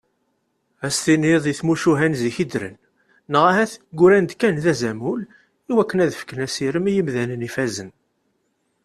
Ad s-tiniḍ deg tmucuha n zik i ddren neɣ ahat ggran-d kan d azamul iwakken ad ffken asirem i yimdanen ifazen.